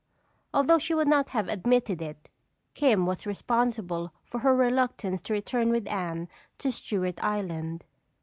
Although she would not have admitted it, "Kim" was responsible for her reluctance to return with Anne to Stewart Island.